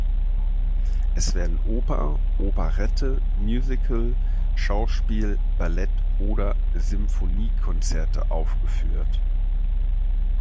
Es werden Oper, Operette, Musical, Schauspiel, Ballett oder Sinfoniekonzerte aufgeführt.